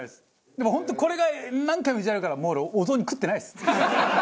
でも本当これが何回もイジられるからもう俺お雑煮食ってないです。